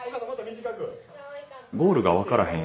ゴールが分からへん